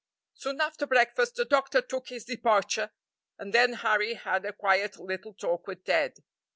Soon after breakfast the doctor took his departure, and then Harry had a quiet little talk with Ted.